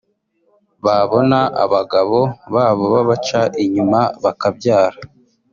babona abagabo babo babaca inyuma bakabyara